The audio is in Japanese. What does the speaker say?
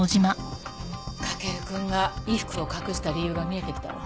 駆くんが衣服を隠した理由が見えてきたわ。